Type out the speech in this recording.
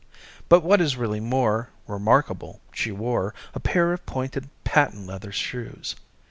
But what is really more Remarkable, she wore A pair of pointed patent leather shoes.